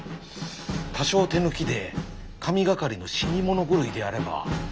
多少手抜きで神がかりの死に物狂いでやれば。